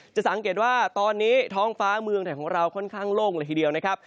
จะสังเกตว่าตอนนี้ท้องฟ้าเมืองไทยของเราค่อนข้างโล่งเลยทีเดียวนะครับ